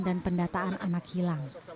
dan pendataan anak hilang